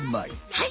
はい。